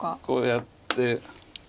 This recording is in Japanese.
こうやって。